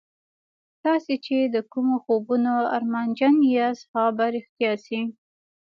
تاسې چې د کومو خوبونو ارمانجن یاست هغه به رښتیا شي